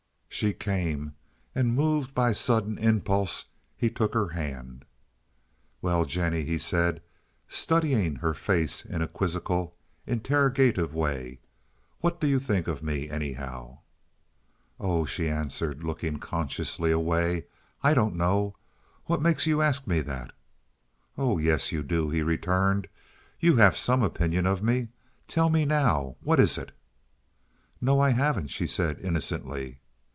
She came, and, moved by a sudden impulse, he took her hand. "Well, Jennie," he said, studying her face in a quizzical, interrogative way, "what do you think of me, anyhow?" "Oh," she answered, looking consciously away, "I don't know. What makes you ask me that?" "Oh yes, you do," he returned. "You have some opinion of me. Tell me now, what is it?" "No, I haven't," she said, innocently.